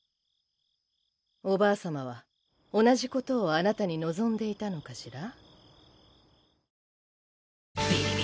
おばあ様は同じことをあなたに望んでいたのかしら？